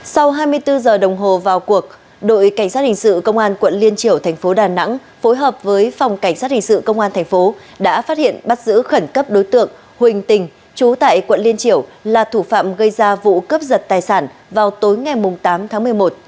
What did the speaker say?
sau hai mươi bốn giờ đồng hồ vào cuộc đội cảnh sát hình sự công an quận liên triểu thành phố đà nẵng phối hợp với phòng cảnh sát hình sự công an thành phố đã phát hiện bắt giữ khẩn cấp đối tượng huỳnh tình chú tại quận liên triểu là thủ phạm gây ra vụ cướp giật tài sản vào tối ngày tám tháng một mươi một